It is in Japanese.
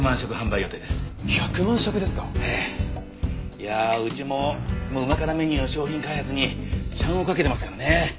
いやあうちも旨辛メニューの商品開発に社運をかけてますからね。